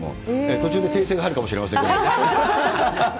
途中で訂正が入るかもしれないですけど。